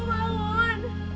tidak tahu pak